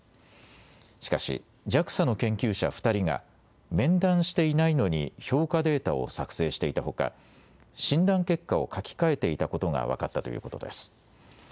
しかしＪＡＸＡの研究者２人が面談していないのに評価データを作成していたほか診断結果を書き換えていたことが分かったということです。